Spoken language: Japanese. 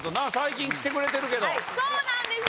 そうなんです！